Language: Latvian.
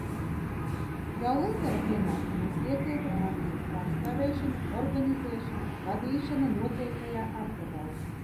Gauleitera pienākumos ietilpa partijas pārstāvēšana, organizēšana, vadīšana noteiktajā apgabalā.